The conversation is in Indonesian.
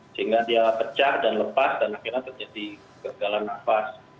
sehingga dia pecah dan lepas dan akhirnya terjadi gagalan nafas